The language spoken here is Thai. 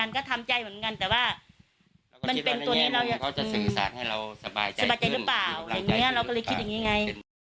สบายใจหรือเปล่าอย่างนี้เราก็เลยคิดอย่างนี้ไง